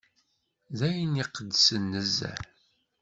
D ayen iqedsen nezzeh.